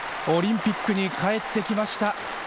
オリンピックに帰ってきました。